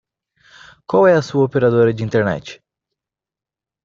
Qual é a sua operadora de internet?